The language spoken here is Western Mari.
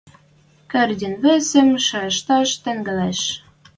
Кердин весӹм шайышташ тӹнгӓлеш: